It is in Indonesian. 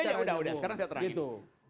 ya sudah sekarang saya terangin